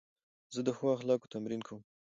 زه د ښو اخلاقو تمرین کوم.